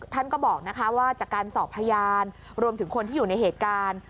ท่านก็บอกว่าจากการสอบพยานรวมถึงคนที่อยู่ในเหตุการณ์